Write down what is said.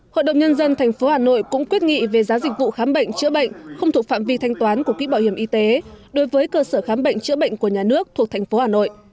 hội đồng nhân dân tp hà nội cũng quyết nghị về giá dịch vụ khám bệnh chữa bệnh không thuộc phạm vi thanh toán của quỹ bảo hiểm y tế đối với cơ sở khám bệnh chữa bệnh của nhà nước thuộc thành phố hà nội